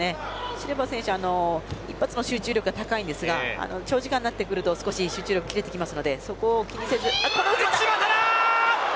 シルバ選手は１発の集中力は高いんですが長時間になってくると少し集中力が切れてくるので。